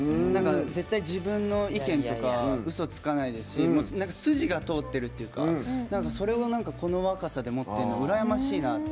絶対、自分の意見とかうそつかないですし筋が通ってるっていうかそれをこの若さで持ってるのってすばらしいなって。